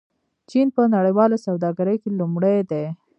چین په نړیواله سوداګرۍ کې لومړی دی.